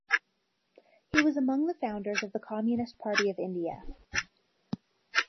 He was among the founders of the Communist Party of India.